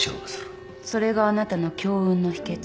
それがあなたの強運の秘訣？